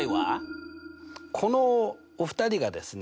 このお二人がですね